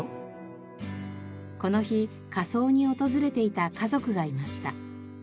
この日火葬に訪れていた家族がいました。